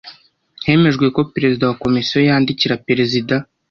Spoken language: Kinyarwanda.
Hemejwe ko Perezida wa Komisiyo yandikira perezida